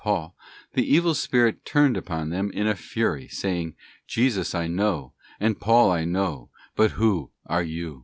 Paul, the evil spirit turned upon them in a fury, saying, 'Jesus I know, and . Paul I know, but who are you?